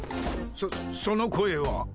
そっその声は。